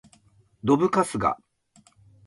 どぶカスが